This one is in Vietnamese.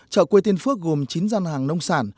chợ quê tiên phước gồm chín gian hàng nông sản